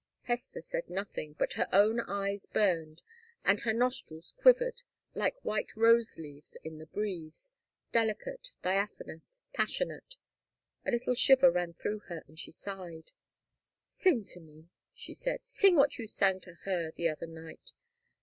Hester said nothing, but her own eyes burned, and her nostrils quivered like white rose leaves in the breeze, delicate, diaphanous, passionate. A little shiver ran through her, and she sighed. "Sing to me," she said. "Sing what you sang to her the other night.